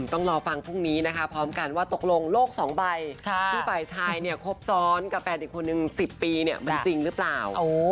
ต้องรอฟังพรุ่งนี้นะคะพร้อมกันว่าตกลงโลก๒ใบที่ฝ่ายชายเนี่ยครบซ้อนกับแฟนอีกคนนึง๑๐ปีเนี่ยมันจริงหรือเปล่า